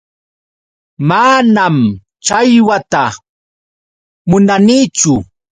Manam challwata munanichu.